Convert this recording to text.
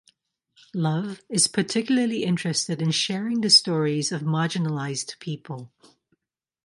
Love is particularly interested in sharing the stories of marginalized people.